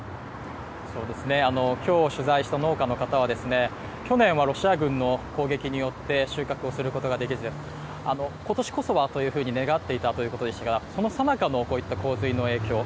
今日取材した農家の方は、去年はロシア軍の攻撃によって収穫をすることができず、今年こそはというふうに願っていたということでしたが、そのさなかのこういった洪水の影響。